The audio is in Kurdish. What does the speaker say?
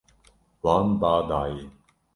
Wan ba daye.